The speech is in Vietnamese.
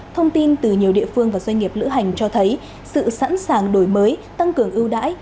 thông tin từ nhiều địa phương và doanh nghiệp lữ hành cho thấy sự sẵn sàng đổi mới tăng cường ưu đãi